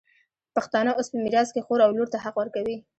پښتانه اوس په میراث کي خور او لور ته حق ورکوي.